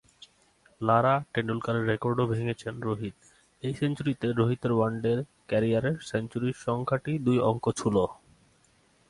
লারা-টেন্ডুলকারের রেকর্ডও ভেঙেছেন রোহিতএই সেঞ্চুরিতে রোহিতের one day ক্যারিয়ারে সেঞ্চুরির সংখ্যাটি দুই অঙ্ক ছুঁল।